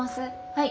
はい。